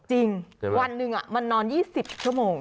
จริงวันหนึ่งมันนอน๒๐ชั่วโมง